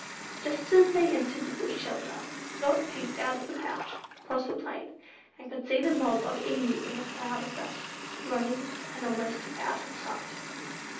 Just as they entered the Bush shelter, Dot peeped out of the pouch, across the plain, and could see the mob of Emu in a cloud of dust, running, and almost out of sight.